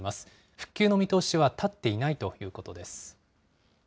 復旧の見通しは立っていないということです。